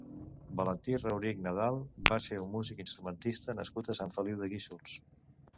Valentí Rourich Nadal va ser un músic instrumentista nascut a Sant Feliu de Guíxols.